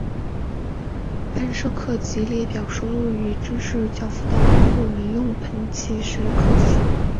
喷射客机列表收录已正式交付到客户的民用喷气式客机。